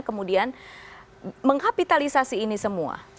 kemudian mengkapitalisasi ini semua